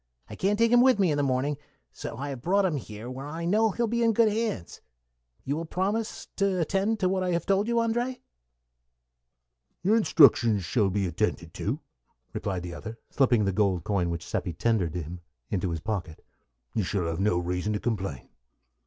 I can't take him with me in the morning, and so I have brought him here, where I know he will be in good hands. You will promise to attend to what I have told you, André?" "Your instructions shall be attended to," replied the other, slipping the gold coin which Seppi tendered him into his pocket. "You shall have no reason to complain."